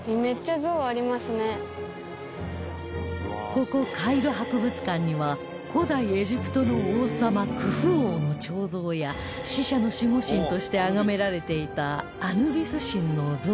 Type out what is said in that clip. ここカイロ博物館には古代エジプトの王様クフ王の彫像や死者の守護神としてあがめられていたアヌビス神の像